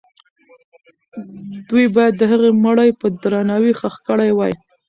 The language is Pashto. دوی باید د هغې مړی په درناوي ښخ کړی وای.